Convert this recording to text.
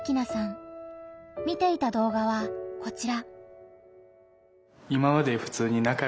見ていた動画はこちら。